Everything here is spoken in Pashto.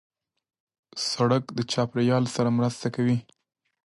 سړک د چاپېریال سره مرسته کوي.